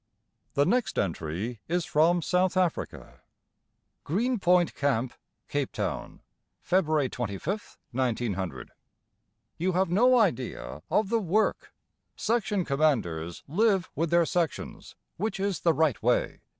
The next entry is from South Africa: Green Point Camp, Capetown, February 25th, 1900. You have no idea of the WORK. Section commanders live with their sections, which is the right way.